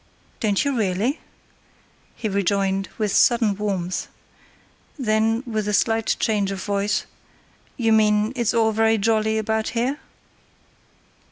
"Don't you really?" he rejoined, with sudden warmth. Then, with a slight change of voice. "You mean it's all very jolly about here?"